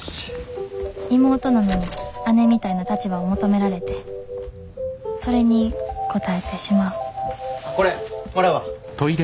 妹なのに姉みたいな立場を求められてそれに応えてしまうこれもらうわ。